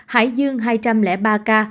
hải dương hai trăm linh ba ca